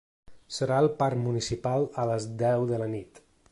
Serà al parc municipal a les deu de la nit.